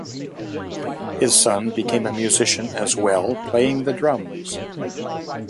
His son became a musician as well, playing the drums.